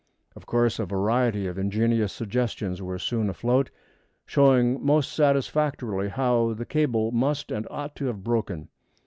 Of course a variety of ingenious suggestions were soon afloat, showing most satisfactorily how the cable must and ought to have broken.